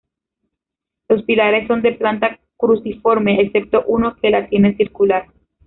Los pilares son de planta cruciforme, excepto uno que la tiene circular.